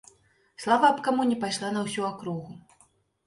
Слава аб камуне пайшла на ўсю акругу.